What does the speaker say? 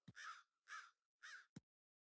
سمع او بصر مې یې